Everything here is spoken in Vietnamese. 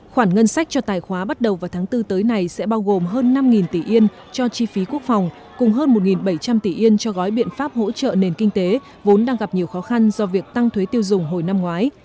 khoản ngân sách cho tài khoá bắt đầu vào tháng bốn tới này sẽ bao gồm hơn năm tỷ yên cho chi phí quốc phòng cùng hơn một bảy trăm linh tỷ yên cho gói biện pháp hỗ trợ nền kinh tế vốn đang gặp nhiều khó khăn do việc tăng thuế tiêu dùng hồi năm ngoái